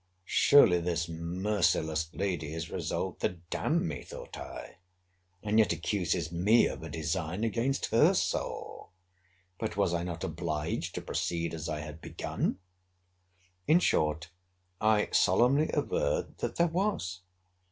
—Surely this merciless lady is resolved to d—n me, thought I, and yet accuses me of a design against her soul!—But was I not obliged to proceed as I had begun? In short, I solemnly averred that there was!